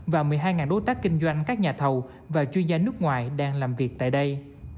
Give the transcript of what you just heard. và một mươi hai đối tác kinh doanh các nhà thầu và chuyên gia nước ngoài đang làm việc tại đây